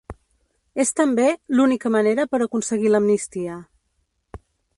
És, també, “l’única manera per aconseguir l’amnistia”.